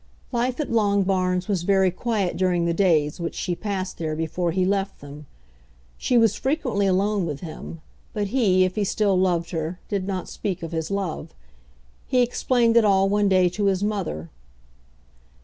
Life at Longbarns was very quiet during the days which she passed there before he left them. She was frequently alone with him, but he, if he still loved her, did not speak of his love. He explained it all one day to his mother.